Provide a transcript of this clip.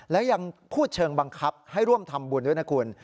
และยังพูดเชิงบังคับให้ร่วมทำบุญด้วยนะคุณ